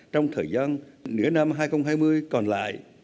trong thời gian nửa năm hai nghìn hai mươi còn lại